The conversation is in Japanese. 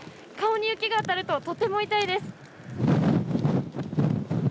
顔に雪が当たると、とても痛いです。